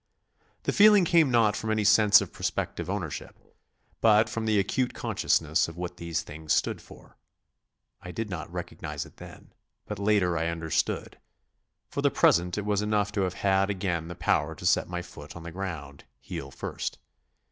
The feeling came not from any sense of prospective ownership, but from the acute consciousness of what these things stood for. I did not recognise it then, but later I understood; for the present it was enough to have again the power to set my foot on the ground, heel first.